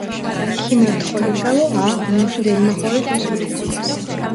ქიმერთ ხოლოშავო, ა, მუში დელმახორეშ ოსური.